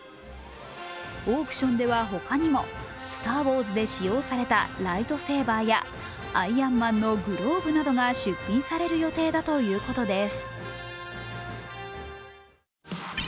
オークションではほかにも、「スター・ウォーズ」で使用されたライトセーバーやアイアンマンのグローブなどが出品される予定だということです。